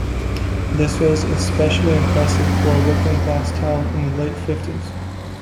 This was especially impressive for a working class town in the late fifties.